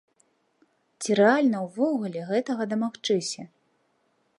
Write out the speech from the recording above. Ці рэальна ўвогуле гэтага дамагчыся?